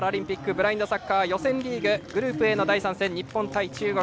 ブラインドサッカー予選リーグ、グループＡの第３戦日本対中国。